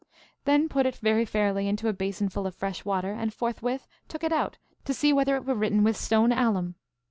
Then put it very fairly into a basinful of fresh water, and forthwith took it out, to see whether it were written with stone alum.